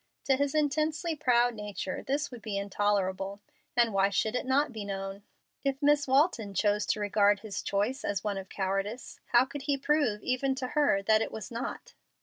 To his intensely proud nature this would be intolerable. And why should it not be known? If Miss Walton chose to regard his choice as one of cowardice, how could he prove, even to her, that it was not?